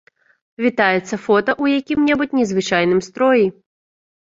Вітаецца фота ў якім-небудзь незвычайным строі.